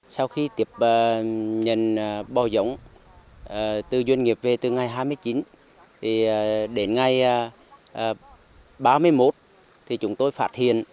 sau khi tiếp nhận bò giống từ doanh nghiệp về từ ngày hai mươi chín đến ngày ba mươi một chúng tôi phát hiện